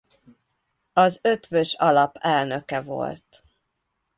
Az Eötvös-alap elnöke volt.